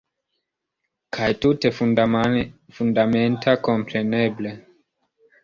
Kaj tute fundamenta, kompreneble.